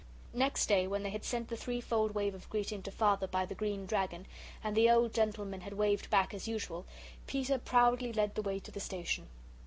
Next day when they had sent the threefold wave of greeting to Father by the Green Dragon, and the old gentleman had waved back as usual, Peter proudly led the way to the station.